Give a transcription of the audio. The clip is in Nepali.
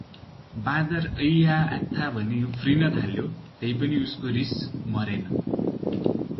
बाँदर ऐप्या ! आत्था ! भनी उफ्रन थाल्यो तैपनि उसको रिस मरेन ।